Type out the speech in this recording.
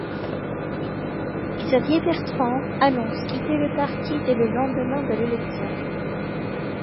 Xavier Bertrand annonce quitter le parti dès le lendemain de l'élection.